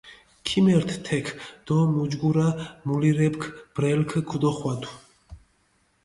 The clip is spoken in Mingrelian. ქიმერთჷ თექ დო მუჯგურა მულირეფქ ბრელქ ქჷდოხვადუ.